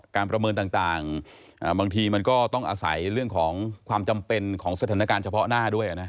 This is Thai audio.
ประเมินต่างบางทีมันก็ต้องอาศัยเรื่องของความจำเป็นของสถานการณ์เฉพาะหน้าด้วยนะ